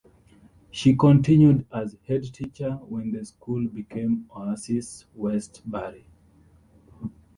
She continued as headteacher when the school became Oasis Westbury.